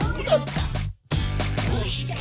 「どうして？